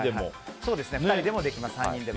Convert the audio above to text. ２人でもできます、３人でも。